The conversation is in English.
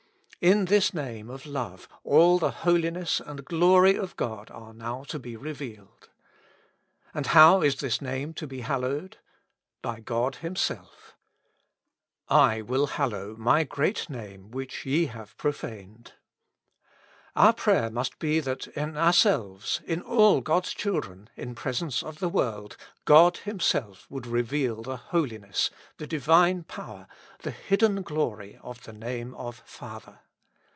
In this name of Love all the holiness and 34 With Christ in the School of Prayer. glory of God are now to be revealed. And how is the name to be hallowed? By God Himself: "/ will hallow My great name which ye have profaned." Our prayer must be that in ourselves, in all God's children, in presence of the world, God Himself would reveal the holiness, the Divine power, the hidden glory of the name of Father.